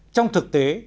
trong thực tế